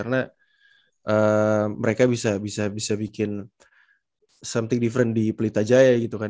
karena mereka bisa bikin something different di pelita jaya gitu kan